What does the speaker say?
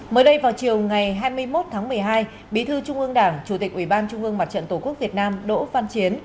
mới đây vào chiều ngày hai mươi một tháng một mươi hai bí thư trung ương đảng chủ tịch ủy ban trung ương mặt trận tổ quốc việt nam đỗ văn chiến